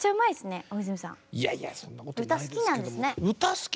いいですね。